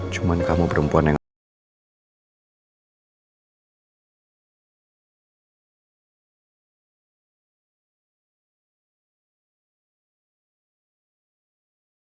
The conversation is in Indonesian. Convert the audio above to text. cuman kamu perempuan yang gak bisa